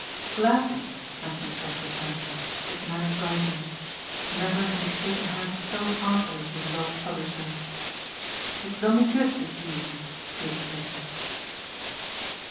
"Gladly," Anthony Trent returned, his manner brighter. Never had he shaken hands so heartily with his old publisher. "It's done me good to see you," he exclaimed.